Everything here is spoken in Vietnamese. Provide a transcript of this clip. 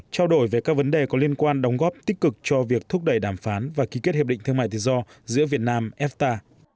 trao đổi về các vấn đề có liên quan đóng góp tích cực cho việc thúc đẩy đàm phán và ký kết hiệp định thương mại tự do giữa việt nam fta